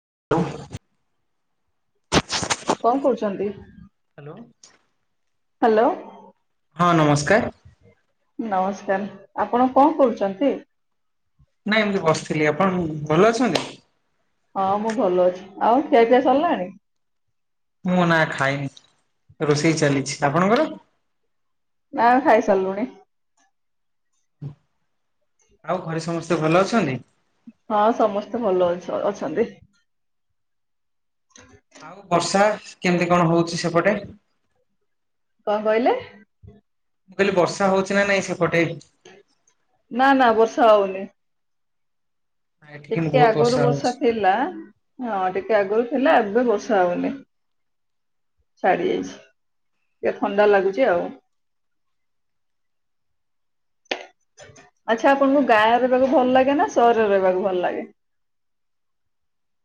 [inaudible] କଣ କରୁଛନ୍ତି? Hello. Hello. ହଁ ନମସ୍କାର। ର ଆପଣ କଣ କରୁଛନ୍ତି? ନାଇଁ ଏମିତି ବସିଥିଲି। ଆପଣ ଭଲ ଅଛନ୍ତି? ହଁ ମୁଁ ଭଲ ଅଛି ଆଉ ଖିଆ ପିଆ ସରିଲାଣି। ମୁଁ ନା ଖାଇନି ରୋଷେଇ ଚାଲିଛି। ଆପଣଙ୍କର? ନା ଖାଇ ସାରିଲୁଣି। ଆଉ ଘରେ ସମସ୍ତେ ଭଲ ଅଛନ୍ତି? ହଁ ସମସ୍ତେ ଭଲ ଅଛ ଅଛନ୍ତି। ଆଉ ବର୍ଷା କେମିତି କଣ ହଉଛି ସେପଟେ? କଣ କହିଲେ? ମୁଁ କହିଲି ବର୍ଷା ହଉଛି। ନା ନାଇଁ ସେପଟେ ନା ନା ବର୍ଷା ହଉନି। ଏଠି କିନ୍ତୁ ଟିକେ ବହୁତ ଆଗରୁ ବର୍ଷା ହଉଛି। ଥିଲା ହଁ ଟିକେ ଆଗରୁ ଥିଲା ଏବେ ବ ର୍ଷା ହଉନି। ଛାଡି ଯାଇଛି ଟିକେ ଥଣ୍ଡା ଲାଗୁଛି ଆଉ। [inaudible] ଆଚ୍ଛା ଆପଣଙ୍କୁ ଗାଁ ରହିବାକୁ ଭଲ ଲାଗେ ନା ସହରରେ ରହିବାକୁ ଭଲ ଲାଗେ? [inaudible]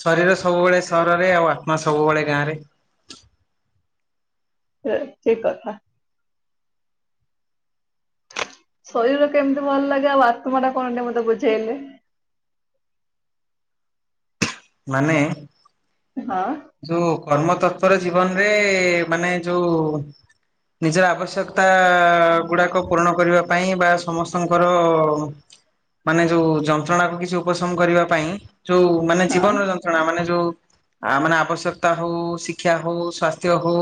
ଶରୀର ସବୁବେଳେ ସହରରେ ଆଉ ଆତ୍ମା ସବୁବେଳେ ଗାଁ ରେ। ସେ ସେ କଥା। ଶରୀର କେମିତି ଭଲ ଲାଗେ ଆଉ ଆତ୍ମା ଟା କଣ ଟେ ମତେ ବୁଝେଇଲେ। ମାନେ ହଁ ଯୋଉ କର୍ମ ତତ୍ ପର ଜୀବନରେ ମାନେ ଯୋଉ ନିଜର ଆବଶ୍ୟକତା ଗୁଡାକ ପୂରଣ କରିବା ପାଇଁ ବା ସମସ୍ତଙ୍କର ମାନେ ଯୋଉ ଯନ୍ତ୍ରଣାକୁ କିଛି ଉପଶମ କରିବା ପାଇଁ ଯୋଉ ମାନେ ହଁ ଜୀବନର ଯନ୍ତ୍ରଣା ମାନେ ଯୋଉ ଆ ମାନେ ଆବଶ୍ୟକତା ହଉ ଶିକ୍ଷା ହଉ ସ୍ଵାସ୍ଥ୍ୟ ହଉ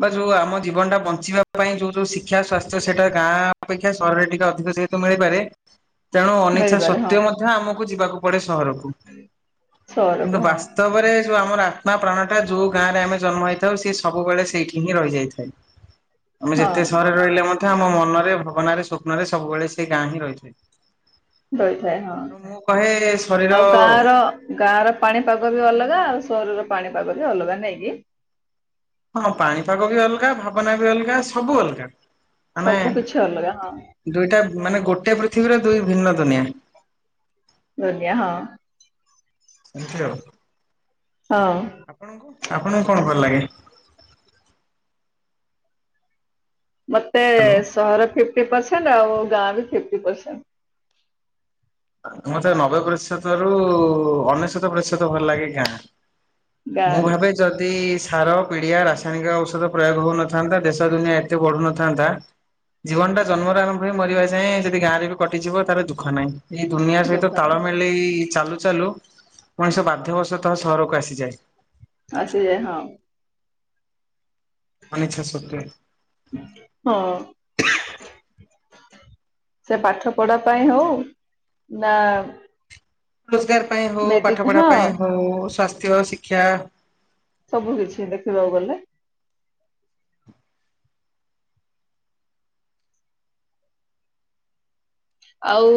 ବା ଯୋଉ ଆମ ଜୀବନଟା ବଞ୍ଚିବା ପାଇଁ ଯୋଉ ଯୋଉ ଶି ଶିକ୍ଷା ସ୍ୱାସ୍ଥ୍ୟ ସେଟା ଗାଁ ଅପେକ୍ଷା ସହରରେ ଟିକେ ଅଧିକ ସେତୁ ମିଳିପାରେ। ତେଣୁ ଅନିଚ୍ଛା ମିଳିପାରେ ହଁ ସତ୍ୱେ ମଧ୍ୟ ଆମକୁ ଯିବାକୁ ପଡେ ସହରକୁ। ସହରକୁ କିନ୍ତୁ ହଁ ବାସ୍ତବରେ। ଯଉ ଆମର ଆତ୍ମା ପ୍ରାଣ ଟା ଯୋଉ ଗାଁରେ ଆମେ ଜନ୍ମ ହେଇଥାଉ ସେ ସବୁବେଳେ ସେଇଠି ହିଁ ରହିଯାଇଥାଏ। ଆମେ ହଁ ଯେତେ ସହରରେ ରହିଲେ ମଧ୍ୟ ଆମ ମନରେ ଭାବନାରେ ସ୍ୱପ୍ନରେ ସବୁବେଳେ ସେଇ ଗାଁ ହିଁ ରହିଥାଏ। ରହିଥାଏ ହଁ। ତଣୁ ମୁଁ କହେ ଆଉ ଶରୀର ଗାଁ ର ଗାଁ ର ପାଣିପାଗ ବି ଅଲଗା ଆଉ ସହରର ପାଣିପାଗ ବି ଅଲଗା ନାଇକି। ହଁ ପାଣିପାଗ ବି ଅଲଗା ଭାବନା ବି ଅଲଗା ସବୁ ଅଲଗା। ମାନେ ସବୁ କିଛି ଅଲଗା ହଁ ଦୁଇଟା ମାନେ ଗୋଟେ ପୃଥିବୀରେ ଦୁଇ ଭିନ୍ନ ଦୁନିଆ। ଦୁନିଆ ହଁ। ସେମିତି ଆଉ ହଁ। ଆପଣଙ୍କୁ? ଆପଣଙ୍କୁ କଣ କର ଲାଗେ? ମତେ ହ୍ୟାଲୋ ସହର ଫିଫ୍ଟି ପରସେଣ୍ଟ ଆଉ ଗାଁ ବି ଫିଫ୍ଟି ପରସେଣ୍ଟ। ମତେ ନବେ ପ୍ରତିଶତ ରୁ ଅନ ପ୍ରଶତ ଭଲ ଲାଗେ ଗାଁ ମୁଁ ଗାଁରେ। ଭାବେ ଯଦି ସାର ପିଡିଆ ରାସାୟନିକ ଔଷଧ ପ୍ରୟୋଗ ହଉନଥାନ୍ତା ଦେଶ ଦୁନିଆ ଏତେ ବଢୁନଥାନ୍ତା ଜୀବନ ଟା ଜନ୍ମର ଆରମ୍ଭ ହ ମରିବା ଯାଏଁ ଯଦି ଗାଁରେ ବି କଟିଯିବ ତାର ଦୁଃଖ ନାହିଁ। ଏଇ ଦୁନିଆ ସହିତ ଦୋକାନ ତାଳମେଳ ଚାଲୁଛି ଚାଲୁ ମଣିଷ ବାଧ୍ୟବ ସତଃ ସହରକୁ ଆସିଯାଏ। ଆସି ଯଏ ହଁ। ଅନିଛା ସତ୍ୱେ। ହଁ ସେ ପାଠ ପଢା ପାଇଁ ହଉ ନା ରୋଜଗାର ପାଇଁ ହଉ ମେଡି ପାଠ ପଢା ହଁ ପାଇଁ ହଉ ସ୍ଵାସ୍ଥ୍ୟ ଶିକ୍ଷା ସବୁ କିଛି ଦେଖିବାକୁ ଗଲେ। ଆଉ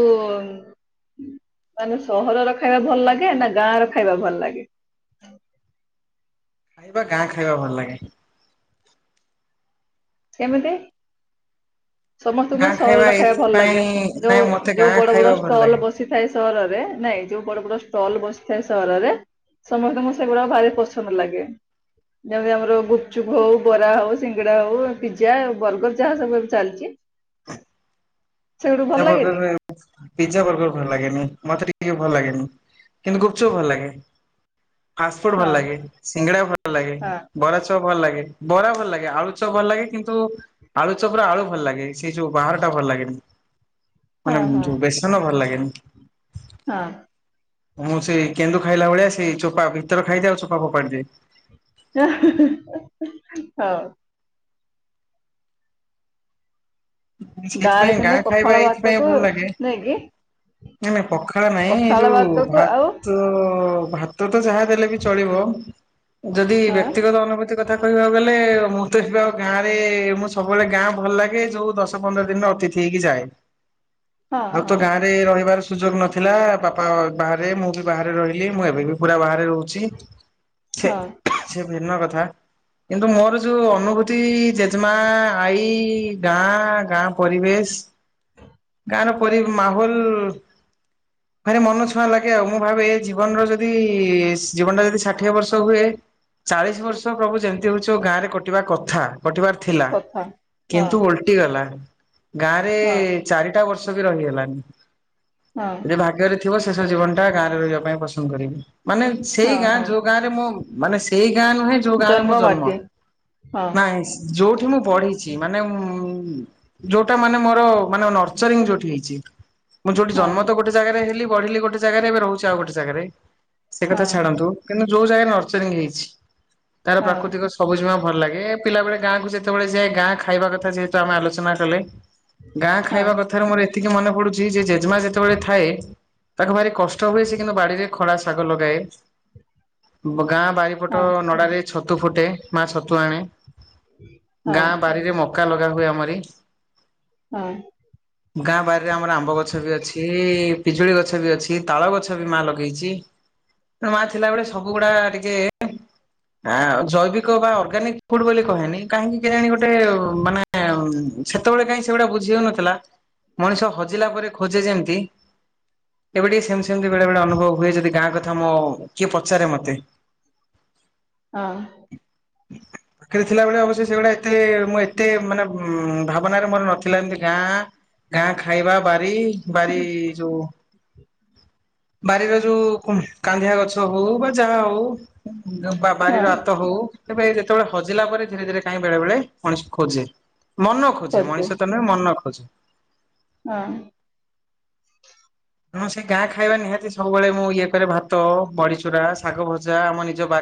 ମାନେ ସହରର ଖାଇବା ଭଲ ଲାଗେ ନା ଗାଁ ର ଖାଇବା ଭଲ ଲାଗେ? ଖାଇବା ଗାଁ ଖାଇବା ଭଲ ଲାଗେ। କେମିତି? ସମସ୍ତଙ୍କୁ ଗାଁ ସହରର ଖାଇବା ଭଲ ଏଇଥିପାଇଁ ଲାଗେ, ନାଇଁ ଯୋଉ ମତେ ଯୋଉ ଗାଁ ବଡ ଖାଇବା ବଡ ଭଲ ଲାଗେ। ଷ୍ଟଲ ବସିଥାଏ ସହରରେ ନାଇଁ ଯୋଉ ବଡ ବଡ ଷ୍ଟଲ ବସିଥାଏ ସହରରେ ସମସ୍ତଙ୍କୁ ସେଗୁଡା ଭାରି ପସନ୍ଦ ଲାଗେ। ଯେମିତି ଆମର ଗୁପଚୁପ ହଉ ବରା ହଉ ସିଙ୍ଗଡା ହଉ ପିଜା ବର୍ଗର ଯାହା ସବୁ ଏବେ ଚାଲିଛି। ସେଗୁଡୁ ଭଲ ପିଜା ଲାଗେନି ବର୍ଗର ପିଜ୍ଜା ବର୍ଗର ଭଲ ଲାଗେନି, ମତେ ଟ ଭଲ ଲାଗେନି କିନ୍ତୁ ଗୁପଚୁପ ଭଲ ଲାଗେ। ଫାଷ୍ଟଫୁଡ ଭଲ ହଁ ଲାଗେ ସିଙ୍ଗଡ଼ା ଭଲ ଲାଗେ ହଁ ବରା ଚପ ଭଲ ଲାଗେ ବରା ଭଲ ଲାଗେ ଆଳୁ ଚପ ଭଲ ଲାଗେ କିନ୍ତୁ ଆଳୁ ଚପରେ ଆଳୁ ଭଲ ଲାଗେ ସେ ଯୋଉ ବାହାରଟା ଭଲ ଲାଗେନି ହଁ ମାନ ହଁ ଯୋଉ ବେଶନ ଭଲ ଲାଗେନି। ହଁ। ମୁଁ ସେ କେନ୍ଦୁ ଖାଇଲା ଭଳିଆ ସେଇ ଚୋପା ଭିତରେ ଖାଇଦିଏ ଆଉ ଚୋପା ଫୋପାଡ଼ିଦିଏ। ହଉ। ଗାଁରେ ସେଇଥିପାଇଁ କିନ୍ତୁ ଗାଁ ଖାଇବା ପଖାଳ ଏଇଥିପାଇଁ ଭାତକୁ ଭଲ ଲାଗେ ନାଇକି ନାଇଁ ନାଇଁ ପଖାଳ ନାଇଁ ଏଇ ପଖାଳ ଯୋଉ ଭାତକୁ ଆଉ ଭାତ ଭାତ ତ ତ ଯାହା ଦେଲେ ବି ଚଳିବ ଯଦି ହଁ ବ୍ୟକ୍ତିଗତ ଅନୁଭୂତି କଥା କହିବାକୁ ଗଲେ ଦଶ ପନ୍ଦର ଦିନ ଅତିଥି ହେଇକି ଯାଏ ହଁ ଆଉ ତ ହଁ ଗାଁ ରେ ରହିବାର ସୁଯୋଗ ନଥିଲା ବାପା ବାହାରେ ମୁଁ ବି ବାହାରେ ରହିଲି ମୁଁ ଏବେ ବି ପୁରା ବା ରହୁଛି ସେ ହଁ ସେ ଭିନ୍ନ କଥା କିନ୍ତୁ ମୋର ଯୋଉ ଅନୁଭୂତି ଜେଜେମା ଆଈ ଗାଁ ଗାଁ ପରିବେଶ ଗାଁ ର ପରି ମାହୋଲ ଭାରି ମନ ଛୁଆଁ ଲାଗେ ଆଉ, ମୁଁ ଭାବେ ଜୀବନର ଯଦି ଜୀବନଟା ଯଦି ଷାଠିଏ ବର୍ଷ ହୁଏ। ଚାଳିଶ ବର୍ଷ ପ୍ରଭୁ ଯେମିତି ହଉଛ ଗାଁ ରେ କଟିବା କଥା କଟିବାର ଥିଲା କଥା ହଁ କିନ୍ତୁ ଗଲା ଗାଁ ରେ ହଁ ଚାରିଟା ବର୍ଷ ବି ରହିଗଲଣିି। ହଁ ଯଦି ଭାଗ୍ୟରେ ଥିବ ଶେଷ ଜୀବନ ଟା ଗାଁରେ ରହିବା ପାଇଁ ପସନ୍ଦ କରିବି ମାନେ ସେଇ ହଁ ଗାଁ ହଁ ଯୋଉ ଗାଁ ରେ ମୁଁ ମାନେ ସେଇ ଗାଁ ନୁହେଁ ଯୋଉ ଗାଁରେ ମୁଁ ଜନ୍ମ ହଁ ନାଇଁ ଯୋଉଠି ମୁଁ ପଢିଛି ମାନେ ଯୋଉଟା ମାନେ ମୋର ମାନେ ନର୍ସରିଙ୍ଗଯୋଉଠି ହେଇଛି। ମୁଁ ଯୋଉଠି ହଁ ଜନ୍ମ ତ ଗୋଟେ ଜାଗାରେ ହେଲି ବଢିଲି ଗୋଟେ ଜାଗାରେ ଏବେ ରହୁଛି ଆଉ ଗୋଟେ ଜାଗାରେ। ସେ ହଁ କଥା ଛାଡନ୍ତୁ କିନ୍ତୁ ଯୋଉ ଜାଗା ନର୍ଚରିଂ ହେଇଛି। ତାର ହଁ ପ୍ରାକୃତିକ ସବୁଜିମା ଭଲ ଲାଗେ ପିଲାବେଳେ ଗଁକୁ ଯେତେବେଳେ ଯାଏ ଗାଁ ଖାଇବା କଥା ଯେ ଆମେ ଆଲୋଚନା କଲେ ଗାଁ ହଁ ହଁ ଖାଇବା କଥାରେ ମୋର ଏତିକି ମନେ ପଡୁଛି ଯେ ଜେଜମା ଯେତେବେଳେ ଥାଏ ତାକୁ ଭାରି କଷ୍ଟ ହୁଏ, ସେ କିନ୍ତୁ ବାଡିରେ ଖରା ଶାଗ ଲଗାଏ ଗାଁ ବାରିପଟ ନଡ଼ା ରେ ଛତୁ ଫୁଟେ ମା ଛତୁ ଆଣେ ଗାଁ ହଁ ବାରିରେ ମକା ଲଗା ହୁଏ ଆମରି ହଁ! ଗାଁ ବାରିରେ ଆମର ଆମ୍ବ ଗଛ ବି ଅଛି ପିଜୁଳି ଗଛ ବି ଅଛି ତାଳ ଗଛ ବି ମା ଲଗେଇଛି। ମା ଥିଲାବେଳେ ସବୁଗୁଡା ଟିକେ ଆ ଜୈବିକ ବା ଅର୍ଗାନିକ ଫୁଡ ବୋଲି କହେନି କାହିଁକି କେ ଜାଣି ଗୋଟେ ମାନେ ସେତେବେଳେ କାହିଁ ସେଗୁଡା ବୁଝିଉନଥିଲା ମଣିଷ ହଜିଲା ପରେ ଖୋଜେ ଯେମିତି ଏବେ ଟିକେ ସେମିତି ସେମିତି ବେଳେ ବେଳେ ଅନୁଭବ ହୁଏ। ଯଦି ଗାଁ କଥା ମୋ କିଏ ପଚାରେ ମତେ। [unintelligible] ହଁ! [inaudible] ପାଖିରେ ଥିଲାବେଳେ ଅବଶ୍ୟ ସେଗୁଡା ଏତେ ଏତେ ମାନେ ଭାବନାରେ ମୋର ନଥିଲା ଏମତି ଗାଁ ଗାଁ ଖାଇବା ବାରି ବାରି ଯଉ ବାରିର ଯୋଉ କାନ୍ଧିଆ ଗଛ ହଉ ବା ଯାହା ହଉ ବା ହଁ ବାରିର ହାତ ହଉ ତବେ ଯେତେବେଳେ ହଜିଲା ପରେ ଧୀରେ ଧୀରେ କାହିଁ ବେଳେ ବେଳେ ମଣିଷକୁ ଖୋଜେ। ମନ ଖୋଜେ କରୁଚି ମଣିଷ ତ ନଁ ମନ ଖୋଜେ ହଁ! ମୁଁ ସେ ଗାଁ ଖାଇବା ନିହାତି ସବୁବେଳେ ମୁଁ ଇଏ କରେ ଭାତ ବଡିଚୁରା ଶାଗ ଭଜା ଆମ ନିଜ ବା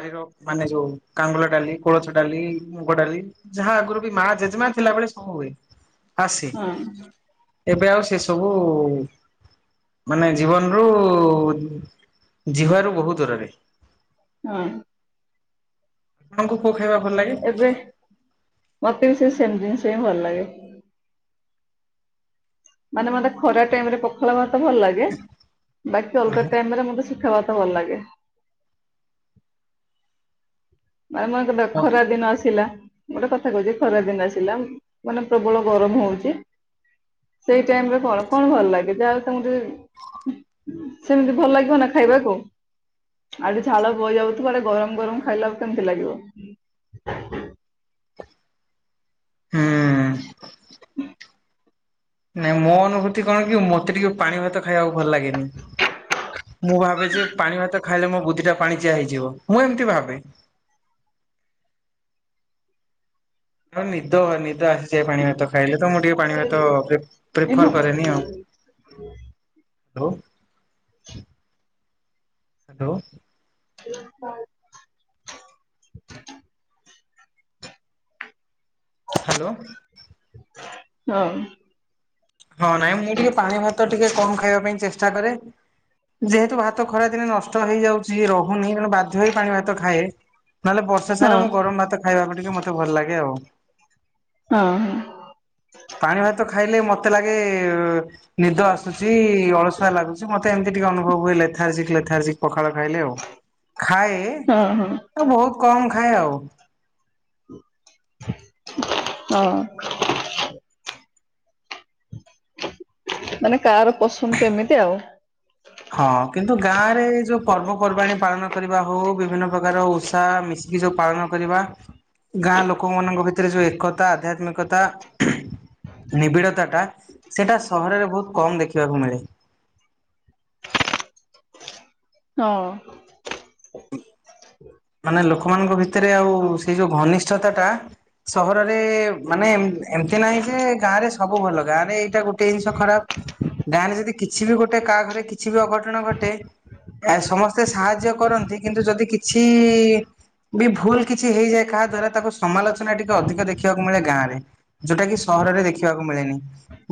ମାନେ ଯୋଉ କାଙ୍ଗ ଡାଲି କୋଳଛ ଡାଲି ମୁଗ ଡାଲି ଯାହା ଆଗରୁ ବି ମା ଜେଜେମା ଥିଲାବେଳେ ସବୁ ହୁଏ। ଆସେ ହଁ! ଏବେ ଆଉ ସେସବୁ ମାନେ ଜୀବନରୁୁ ଯିବାର ବହୁତ ଦୁରରେ ହଁ! ତାଙ୍କୁ ଏବେ ମତେ ବି ସେ ସେମତି ଜିନିଷ ହିଁ ଭଲ ଲାଗେ। ମାନେ ମତେ ଖରା ଟାଇମ ରେ ପଖାଳ ତ ଭଲ ଲାଗେ ବାକି ଅଲଗା ଲାଗେ? ଟାଇମରେ ମତେ ଖବାତ ଭଲ ଲାଗେ। ମ ମରବେେ ଖରା ଦିନ ଆସିଲା। ଗୋଟେ କଥା କହୁଛି ଖରା ଦିନ ଆସିଲା ମାନେ ପ୍ରବଳ ଗରମ ହଉଛି। ସେଇ ଟାଇମ ରେ କଣ କଣ ଭଲ ଲାଗେ ଯାହା ତମ ସେମିତି ଭଲ ଲାଗିବ ନା ଖାଇବାକୁ ଆଡେ ଝାଳ ବଯାଉଥିବା ଆଡେ ଗରମ ଗରମ ଖାଇଲା କେମତି ଲାଗିବ। ହୁଁ ନାଇଁ ମୋ ଅନୁଭୂତି କଣ କି ମତେ ଟିକେ ପାଣି ଭାତ ଖାଇବାକୁ ଭଲ ଲାଗେନି। ମୁଁ ଭାବେ ଯେ ପାଣି ଭାତ ଖାଇଲେ ମୋ ବୁଧି ଟା ପାଣି ଚିଆ ହେଇଯିବ ମୁଁ ଏମିତି ଭାବେ। [unintelligible] ହଁ ନିଦ ନିଦ ସେ ପାଣି ଭାତ ଖାଇଲେ ତ ମୁଁ ଟିକେ ପାଣି ଭାତ ଏଇନୁ ପ୍ରିଫର କରେନି ଆଉ। ହ୍ୟାଲୋ। ହ୍ୟାଲୋ। ହ ହ। ହ୍ୟାଲୋ। ହଁ। ହଁ ନାଇଁ ମୁଁ ଟିକେ ପାଣି ଭାତ ଟିକେ କମ ଖାଇବା ପାଇଁ ଚେଷ୍ଟା କରେ। ଯେହେତୁ ଭାତ ଖରାଦିନେ ନଷ୍ଟ ହେଇଯାଉଛି ରହୁନି ତେଣୁ ବାଧ୍ୟ ହେଇ ପାଣି ଭାତ ଖାଏ। ନହେଲେ ବର୍ଷା ହଁ ସାରା ମୁଁ ଗରମ ଭାତ ଖାଇବାକୁ ଟିକେ ମତେ ଭଲ ଲାଗେ ଆଉ। ହଁ ହ। ପାଣି ଭାତ ଖାଇଲେ ମତେ ଲାଗେ ନିଦ ଆସୁଛି ଅଳସୁଆ ଲାଗୁଛି ମତେ ମତି ଟିକେ ଅନୁବ ହୁଏ ଲେଥାର୍ଜିକ ଲେଥାର୍ଜିକ ପଖା କହିଲ ଆଉ ଖାଏ ହଁ ହଁ ଆ ବହୁତ କମ ଖାଏ ଆଉ। ହଁ। ମାନେ କାହାର ପସନ୍ଦ କେମିତି ଆଉ। ହଁ କିନ୍ତୁ ଗାଁ ରେ ଯୋଉ ପର୍ବପର୍ବାଣିୀ ପାଳନ କରିବା ହଉ ବିଭିନ୍ନ ପ୍ରକାର ଉଷାଶ କି ଯଉ ପାଳନ କରିବା। ଗାଁ ଲୋକମାନାନଙ୍କ ଭିତରେ ଯୋଉ ଏକତା ଆଧ୍ୟାତ୍ମିକତା ନିବିଡ଼ତା ଟା ସେଟା ସହରରେ ବହୁତ କମ ଦେଖିବାକୁ ମିଳେ। ହଁ। ମାନେ ଲୋକମାନଙ୍କ ଭିତରେ ଆଉ ସେଇ ଯୋଉ ଘନିଷ୍ଠତା ଟା ସହରରେ ମାନେ ଏମତି ନାହିଁ ଯେ ଗାଁ ରେ ସବୁ ଭଲ ଗାଁ ରେ ଏଇଟା ଗୋଟେ ଜିନିଷ ଖରାପ ଗାଁରେ ଯଦି କିଛି ବି ଗୋଟେ କାହା ଘରେ କିଛି ବି ଅଘଟଣ ଘଟେ। ଆ ସମସ୍ତେ ସାହାଯ୍ୟ କରନ୍ତି କିନ୍ତୁ ଯଦି କିଛି। ବି ଭୁଲ କିଛି ହେଇଯାଏ କାହା ଦ୍ଵାରା ତାକୁ ସମାଲୋଚନା ଟିକେ ଅଧିକ ଦେଖିବାକୁ ମିଳେ ଗାଁରେ ଯୋଉଟା କି ସହରରେ ଦେଖିବାକୁ ମିଳେନି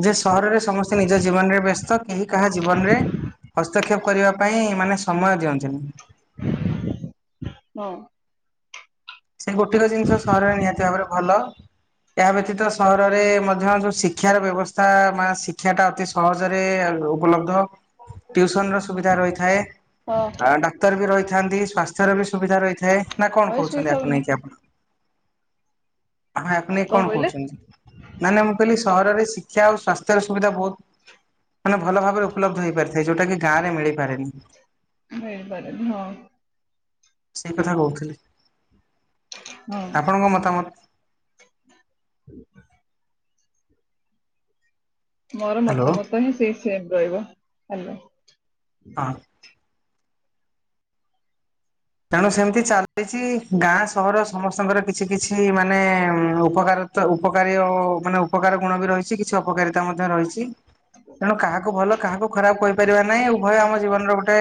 ଯେ ସହରରେ ସମସ୍ତେ ନିଜ ଜୀବନରେ ବ୍ୟସ୍ତ କେହି କାହା ଜୀବନରେ ହସ୍ତକ୍ଷେପ କରିବା ପାଇଁ ମାନେ ସମୟ ଦିଅଛନ୍ତିି। ହଁ। ସେ ଗୋଟିକ ଜିନିଷ ସହରରେ ନିହାତି ଭାବରେ ଭଲ ଏହା ବ୍ୟତୀତ ସହରରେ ମଧ୍ୟ ଯୋଉ ଶିକ୍ଷାର ବ୍ୟବସ୍ଥା ଶିକ୍ଷା ଟା ଅତି ସହଜରେ ଉପଲବ୍ଧ ଟଉସନ ର ସୁବିଧା ରହିଥାଏ। ହଁ ଡାକ୍ତର ବି ରହିଥାନ୍ତି ସ୍ଵାସ୍ଥ୍ୟର ବି ସୁବିଧା ରହିଥାଏ ନା କଣ ହଇ କହୁଛନ୍ତି ଆ ଶୋଇଥାଉ ନା ଣକପ ଆ ଆପଣ ଏ କଣ କହୁଛନ୍ତି। ନ ମୁଁ କହିଲି ସହରରେ ଶିକ୍ଷା ଆଉ ସଵାସ୍ଥ୍ୟର ସୁବିଧା ବହୁତ। ମାନେ ଭଲ ଭାବରେ ଉପଲବ୍ଧ ହେଇପାରିଥାଏ ଯୋଉଟା କି ଗାଁ ରେ ମିଳିପାରେନି। ବପର ହଁ। ସେଇ କଥା କହୁଥିଲେି ହଁ ଆପଣଙ୍କ ମତାମତ ମୋର ହ୍ୟାଲୋ ମତାମତ ହିଁ ସେଇ ସେମ ରହିବ ହେଲେ। ହଁ। ତେଣୁ ସେମିତି ଚାଲିଛି ଗାଁ ସହର ସମସ୍ତଙ୍କର କିଛି କିଛି ମାନେ ଉପକାର ଉପକାରୀ ମାନେ ଉପକାର ଗୁଣ ବି ରହିଛି କିଛି ଅପକାରିତା ମଧ୍ୟ ରହିଛି। ତେଣୁ କାହାକୁ ଭଲ କାହାକୁ ଖରାପ କହିପାରିବା ନାହିଁ ଉଭୟ ଆମ ଜୀବନର ଗୋଟେ।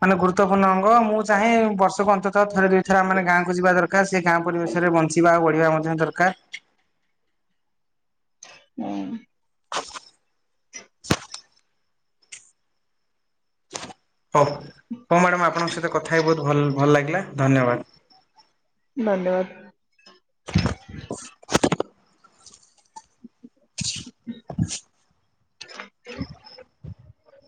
ମାନେ ଗୁରୁତ୍ୱପୂର୍ଣ୍ଣ ଅଙ୍ଗ ମୁଁ ଚାହେଁ ବର୍ଷକୁ ଅନ୍ତତଃ ଥରେ ଦୁଇଥର ଆମେ ଗାଁକୁ ଯିବା ଦରକାର ସେ ଗାଁ ପରିବେଶ ରେ ବଞ୍ଚିବା ଆଉ ବଢିବା ମଧ୍ୟ ଦରକାର। [unintelligible] ହଁ ହଉ ହଉ ମ୍ୟାଡ଼ାମ ଆପଣଙ୍କ ସହିତ କଥା ହ ବହୁତ ଭଲ ଲାଗିଲା ଧନ୍ୟବାଦ। ଧନ୍ୟବାଦ। [inaudible] [inaudible]